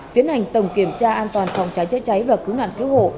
tiến hành tổng kiểm tra an toàn phòng cháy chữa cháy và cứu nạn cứu hộ